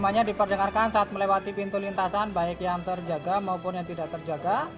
sembilan ratus tiga puluh lima nya diperdengarkan saat melewati pintu lintasan baik yang terjaga maupun yang tidak terjaga